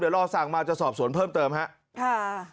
เดี๋ยวรอสั่งมาจะสอบสวนเพิ่มเติมครับ